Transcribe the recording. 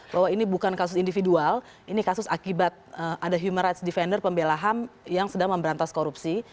bahwa ini bukan kasus individual ini kasus akibat ada human rights defender pembelahan yang sedang memberantas korupsi